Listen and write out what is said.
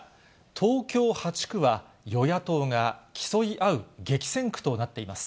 東京８区は、与野党が競い合う激戦区となっています。